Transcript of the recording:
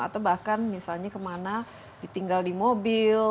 atau bahkan misalnya kemana ditinggal di mobil